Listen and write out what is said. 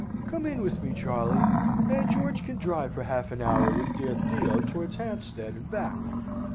Come in with me, Charley and George can drive for half an hour with dear Theo towards Hampstead and back."